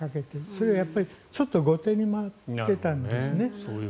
それはちょっと後手に回っていたんですね。